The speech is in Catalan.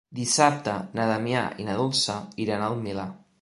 Dissabte na Damià i na Dolça iran al Milà.